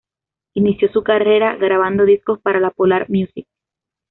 Inició su carrera grabando discos para la Polar Music.